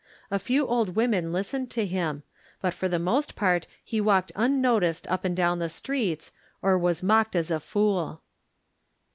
A few old women listened to him, but for the most part he walked unnoticed up and down the streets or was mocked as a fool.